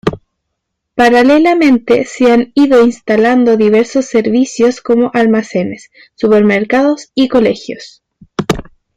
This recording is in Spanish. Paralelamente, se han ido instalando diversos servicios como almacenes, supermercados y colegios.